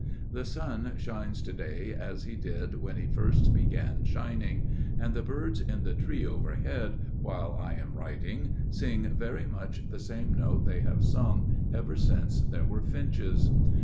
The sun shines to day as he did when he first began shining; and the birds in the tree overhead, while I am writing, sing very much the same note they have sung ever since there were finches.